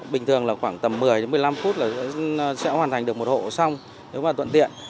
bình thường là khoảng tầm một mươi đến một mươi năm phút là sẽ hoàn thành được một hộ xong nếu mà thuận tiện